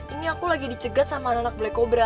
ini aku lagi dicegat sama anak anak black cobra